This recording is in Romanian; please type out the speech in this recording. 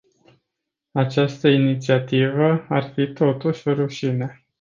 Această inițiativă ar fi totuși o rușine.